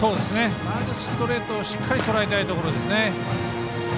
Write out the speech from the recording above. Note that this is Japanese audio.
まずストレートをしっかりとらえたいところですね。